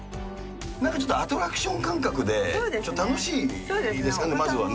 なんかちょっとアトラクション感覚で、楽しいですかね、まずはね。